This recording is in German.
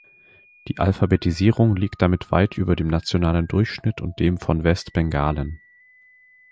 Die Alphabetisierung liegt damit weit über dem nationalen Durchschnitt und dem von Westbengalen.